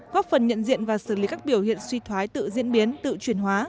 góp phần nhận diện và xử lý các biểu hiện suy thoái tự diễn biến tự chuyển hóa